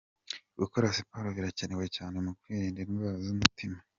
Gukora siporo birakenewe cyane mu kwirinda indwara z'umutima.